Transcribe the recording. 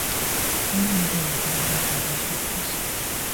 Unha novela para ler varias veces.